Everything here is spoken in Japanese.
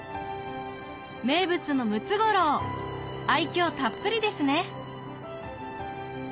名物のムツゴロウ愛嬌たっぷりですね